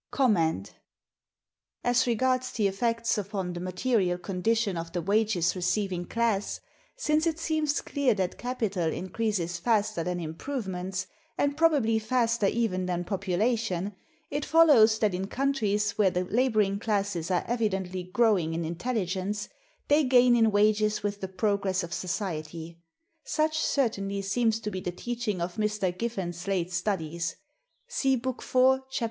As regards the effects upon the material condition of the wages receiving class, since it seems clear that capital increases faster than improvements, and probably faster even than population, it follows that in countries where the laboring classes are evidently growing in intelligence, they gain in wages with the progress of society. Such certainly seems to be the teaching of Mr. Giffen's late studies (see Book IV, Chap.